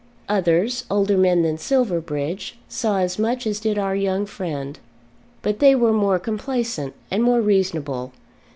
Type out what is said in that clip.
Others, older men than Silverbridge, saw as much as did our young friend, but they were more complaisant and more reasonable.